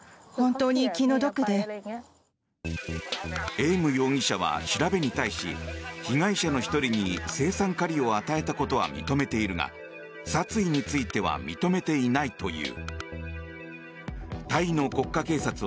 エーム容疑者は調べに対し被害者の１人に青酸カリを与えたことは認めているが殺意については認めていないという。